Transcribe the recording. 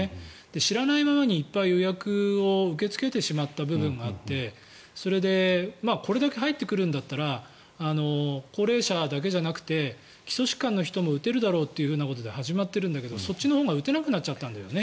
知らないままにいっぱい予約を受け付けてしまった部分があってそれでこれだけ入ってくるんだったら高齢者だけじゃなくて基礎疾患の人も打てるだろうということで始まっているんだけどそっちのほうが打てなくなっちゃったんだよね。